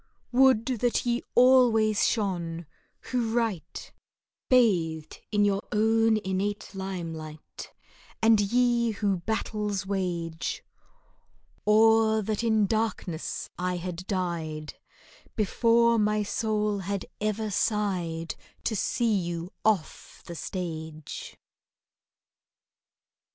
Would that ye always shone, who write, Bathed in your own innate limelight, And ye who battles wage, Or that in darkness I had died Before my soul had ever sighed To see you off the stage!